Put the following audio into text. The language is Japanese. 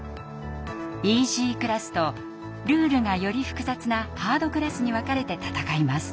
イージークラスとルールがより複雑なハードクラスに分かれて戦います。